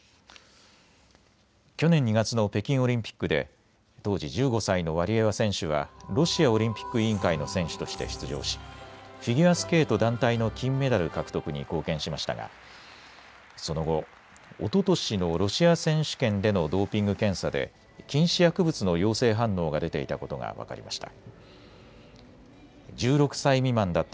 去年２月の北京オリンピックで当時１５歳のワリエワ選手はロシアオリンピック委員会の選手として出場しフィギュアスケート団体の金メダル獲得に貢献しましたがその後、おととしのロシア選手権でのドーピング検査で禁止薬物の陽性反応が出ていたことが分かりました。